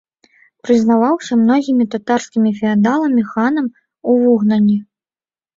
Прызнаваўся многімі татарскімі феадаламі ханам у выгнанні.